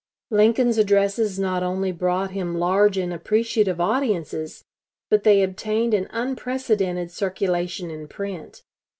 Lincoln's addresses not only brought him large and appreciative audiences, but they obtained an unprecedented circulation in print.